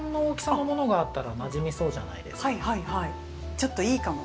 ちょっといいかも。